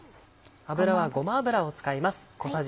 油はごま油を使います。